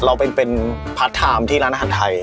เราเป็นผัดถามที่ร้านอาหารไทย